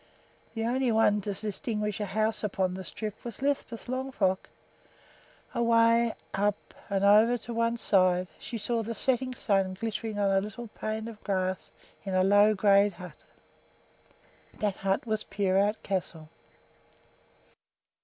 The only one to distinguish a house upon the strip was Lisbeth Longfrock. Away up and off to one side she saw the setting sun glittering on a little pane of glass in a low gray hut. That hut was Peerout Castle.